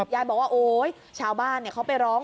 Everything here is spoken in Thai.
ยายบอกว่าโอ๊ยชาวบ้านเขาไปร้อง